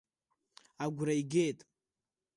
Агәра игеит…